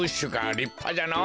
りっぱじゃのぉ。